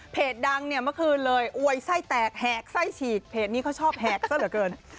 ดังเนี่ยเมื่อคืนเลยอวยไส้แตกแหกไส้ฉีกเพจนี้เขาชอบแหกซะเหลือเกิน